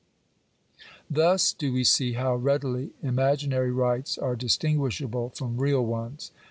Thus do we see how readily imaginary rights axe distin guishable from real ones.